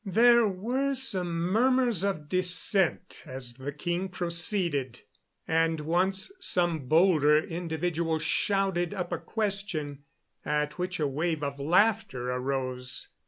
There were some murmurs of dissent as the king proceeded, and once some bolder individual shouted up a question, at which a wave of laughter arose.